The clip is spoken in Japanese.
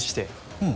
うん。